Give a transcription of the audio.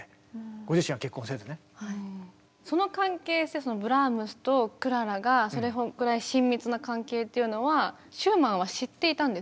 まあ本当にその関係性ブラームスとクララがそれぐらい親密な関係っていうのはシューマンは知っていたんですか。